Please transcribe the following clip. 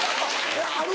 ある？